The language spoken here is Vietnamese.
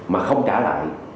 mà không trả lại